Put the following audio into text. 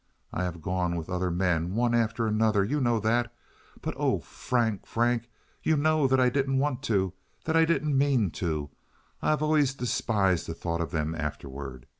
I have gone with other men, one after another—you know that—but, oh! Frank, Frank, you know that I didn't want to, that I didn't mean to! I have always despised the thought of them afterward.